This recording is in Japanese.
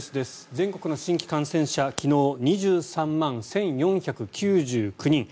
全国の新規感染者昨日２３万１４９９人。